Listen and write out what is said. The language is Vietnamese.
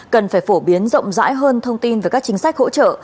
cần phải phổ biến rộng rãi hơn thông tin về các chính sách hỗ trợ